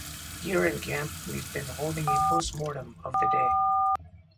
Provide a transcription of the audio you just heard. Here in camp, we've been holding a post-mortem of the day.